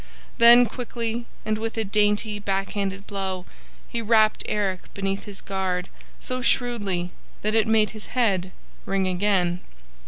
Then quickly and with a dainty backhanded blow, he rapped Eric beneath his guard so shrewdly that it made his head ring again.